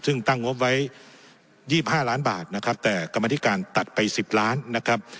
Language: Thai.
ซึ่งตั้งงบไว้๒๕ล้านบาทนะครับแต่กรรมธิการตัดไป๑๐ล้านนะครับ